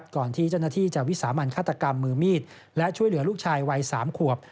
ก่อนที่เจ้าหน้าที่จะวิสามันฆาตกรรมมือมีดและช่วยเหลือลูกชายวัย๓ขวบ